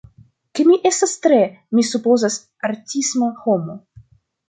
ke mi estas tre, mi supozas, artisma homo